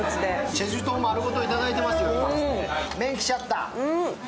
チェジュ島まるごといただいていますよ、今。